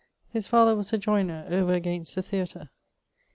His father was a joyner over against the Theater.